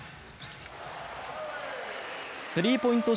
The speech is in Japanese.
スリーポイント